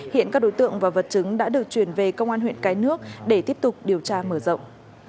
hiện các đối tượng và vật chứng đã được chuyển về công an huyện cái nước để tiếp tục điều tra mở rộng